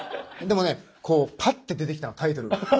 でもねパッて出てきたのタイトルが。